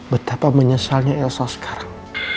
betapa menyesalnya elsa sekarang